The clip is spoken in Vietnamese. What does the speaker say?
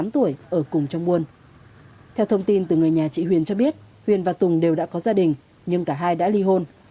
theo thông tin từ người nhà chị huyền cho biết huyền và tùng đều đã có gia đình nhưng cả hai đã ly hôn